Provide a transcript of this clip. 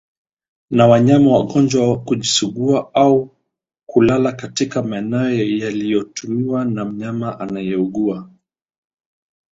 na wanyama wagonjwa kujisugua na au au kulala katika maeneo yaliyotumiwa na mnyama anayeugua